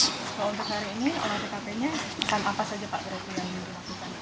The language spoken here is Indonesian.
kalau untuk hari ini olah tkp nya akan apa saja pak